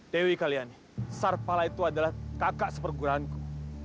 dewi kalian sarpala itu adalah kakak seperguraanku